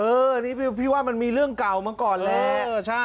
เออนี่พี่ว่ามันมีเรื่องเก่ามาก่อนแหละเออใช่